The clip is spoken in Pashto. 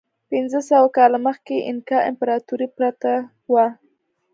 پنځه سوه کاله مخکې اینکا امپراتورۍ پرته وه.